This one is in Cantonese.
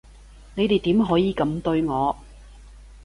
你哋點可以噉對我？